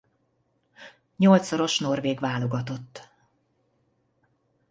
Nyolcszoros norvég válogatott.